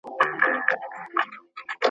سږ کال مي ولیده لوېدلې وه له زوره ونه.